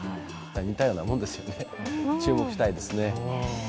似たようなもんですよね、注目したいですね。